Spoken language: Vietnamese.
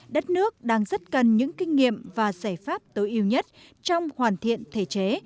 đất nước đang rất cần những kinh nghiệm và giải pháp tối ưu nhất trong hoàn thiện thể chế